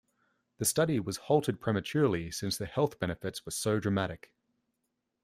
The study was halted prematurely since the health benefits were so dramatic.